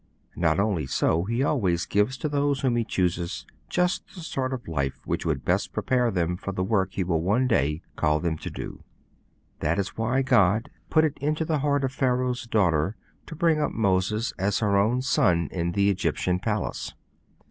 Not only so, He always gives to those whom He chooses just the sort of life which will best prepare them for the work He will one day call them to do. That is why God put it into the heart of Pharaoh's daughter to bring up Moses as her own son in the Egyptian palace.